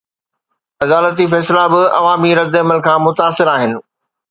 عدالتي فيصلا به عوامي ردعمل کان متاثر آهن؟